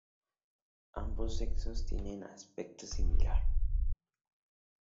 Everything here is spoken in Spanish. Ambos sexos tienen aspecto similar.